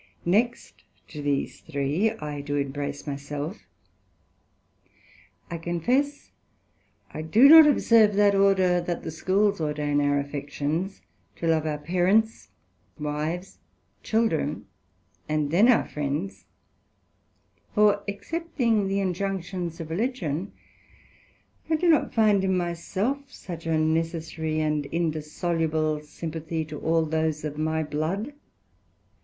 Next to these three I do embrace my self: I confess I do not observe that order that the Schools ordain our affections, to love our Parents, Wives, Children, and then our Friends; for excepting the injunctions of Religion, I do not find in my self such a necessary and indissoluble Sympathy to all those of my blood.